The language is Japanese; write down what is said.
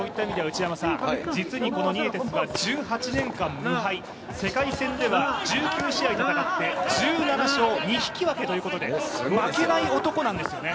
実にこのニエテスは１８年間、無敗世界戦では１９試合戦って１７勝２引き分けということで負けない男なんですよね。